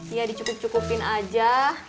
iya dicukup cukupin aja